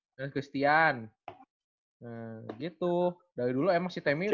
johannes christian nah gitu dari dulu emang si temi udah